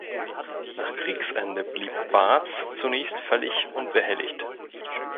Nach Kriegsende blieb Baatz zunächst völlig unbehelligt.